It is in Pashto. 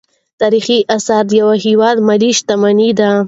تاریخي اثار د یو هیواد ملي شتمني ده.